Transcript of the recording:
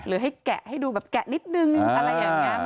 หรือให้แกะให้ดูแบบแกะนิดนึงอะไรอย่างนี้